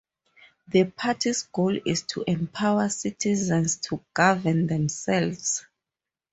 The party's goal is to empower citizens to govern themselves.